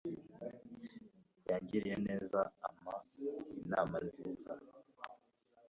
Yangiriye neza ampa inama nziza.